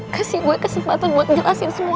kasih gue kesempatan buat jelasin semuanya